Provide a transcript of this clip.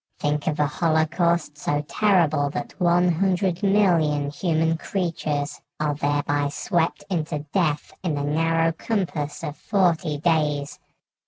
Think of a holocaust so terrible that one hundred million human creatures are thereby swept into death in the narrow compass of forty days!